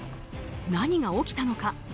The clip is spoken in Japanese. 何が起きたのか。